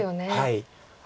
はい。